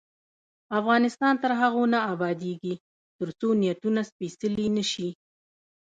افغانستان تر هغو نه ابادیږي، ترڅو نیتونه سپیڅلي نشي.